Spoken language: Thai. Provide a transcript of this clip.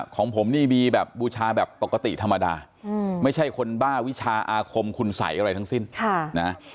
ของผมนี่มีแบบบูชาแบบปกติธรรมดาไม่ใช่คนบ้าวิชาอาคมคุณสัยอะไรทั้งสิ้นนะ